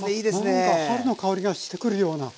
なんか春の香りがしてくるような。